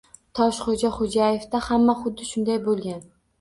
Toshxoʻja Xoʻjayevda ham xuddi shunday boʻlgan.